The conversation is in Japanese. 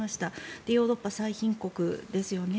で、ヨーロッパ最貧国ですよね。